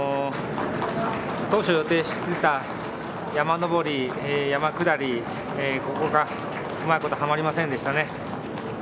当初予定していた山上り、山下り、ここがうまいことハマりませんでした。